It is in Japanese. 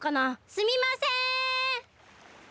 すみません！